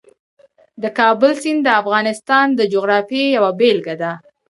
د کابل سیند د افغانستان د جغرافیې یوه بېلګه ده.